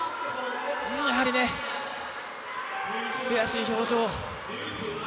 やはり悔しい表情。